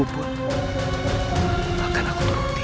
seribu pun akan aku turuti